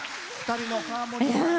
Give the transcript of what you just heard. ２人のハーモニーは。